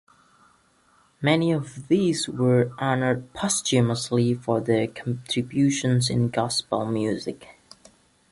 Many of these were honored posthumously for their contribution in gospel music.